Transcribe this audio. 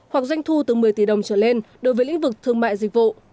hoặc doanh thu từ một mươi tỷ đồng trở lên đối với lĩnh vực thương mại dịch vụ